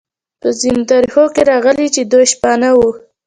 په ځینو تاریخونو کې راغلي چې دوی شپانه وو.